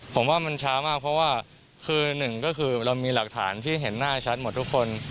ผมว่ามันช้ามากเพราะว่าคือหนึ่งก็คือเรามีหลักฐานที่เห็นหน้าชัดหมดทุกคน